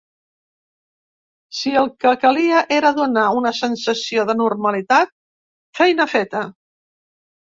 Si el que calia era donar una sensació de normalitat, feina feta.